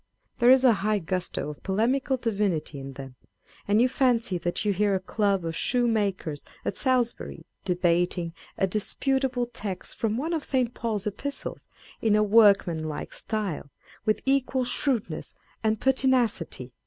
There is a high gusto of polemical divinity in them ; and you fancy that you hear a club of shoemakers at Salisbury, debating a disputable text from one of St. Paul's Epistles in a workmanlike style, with equal shrewdness and pertinacity.